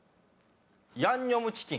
ヤンニョムチキン。